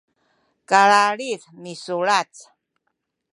kalalid misulac